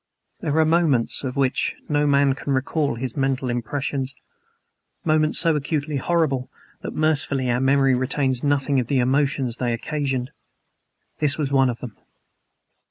There are moments of which no man can recall his mental impressions, moments so acutely horrible that, mercifully, our memory retains nothing of the emotions they occasioned. This was one of them.